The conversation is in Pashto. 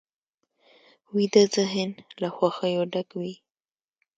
ویده ذهن له خوښیو ډک وي